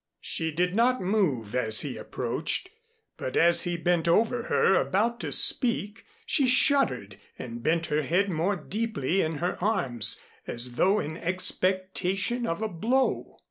She did not move as he approached; but as he bent over her about to speak, she shuddered and bent her head more deeply in her arms, as though in expectation of a blow.